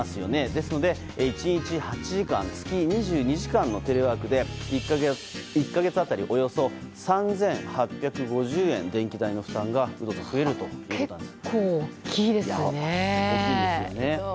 ですので、１日８時間月２２時間のテレワークで１か月当たりおよそ３８５０円電気代の負担が結構、大きいですよね。